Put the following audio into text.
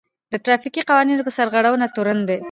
د ټرافيکي قوانينو په سرغړونه تورن دی.